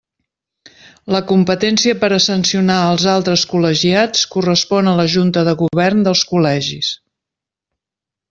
La competència per a sancionar als altres col·legiats correspon a la Junta de Govern dels col·legis.